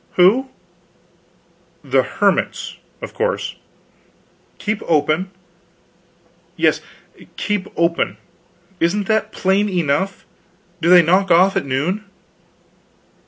"Who?" "The hermits, of course." "Keep open?" "Yes, keep open. Isn't that plain enough? Do they knock off at noon?"